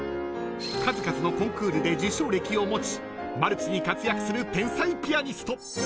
数々のコンクールで受賞歴を持ちマルチに活躍する天才ピアニスト。